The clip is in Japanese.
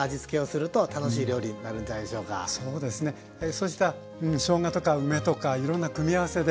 そうしたうんしょうがとか梅とかいろんな組み合わせで。